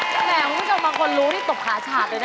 แม่งมันพูดจากบางคนรู้ที่ตบขาฉากเลยนะ